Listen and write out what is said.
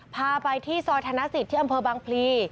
พาไปที่ซอยธนสิทธิ์ที่อำเภอบางพลี